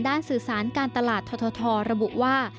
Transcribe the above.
สื่อสารการตลาดททระบุว่า